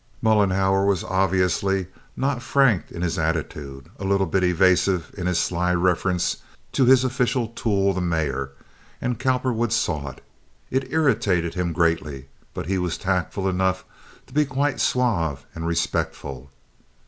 Mollenhauer was obviously not frank in his attitude—a little bit evasive in his sly reference to his official tool, the mayor; and Cowperwood saw it. It irritated him greatly, but he was tactful enough to be quite suave and respectful.